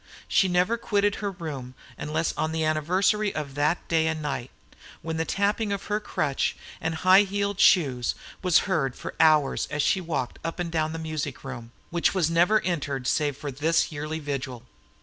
She never quitted her room unless on the anniversary of that day and night, when the tapping of her crutch and high heeled shoes was heard for hours as she walked up and down the music room, which was never entered save for this yearly vigil.